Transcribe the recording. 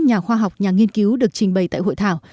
nhà khoa học nhà nghiên cứu được trình bày tại hội thảo